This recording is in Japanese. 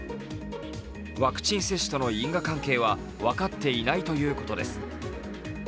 ワクチン接種との因果関係は分かっていないということです。